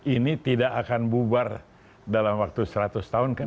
ini tidak akan bubar dalam waktu seratus tahun kan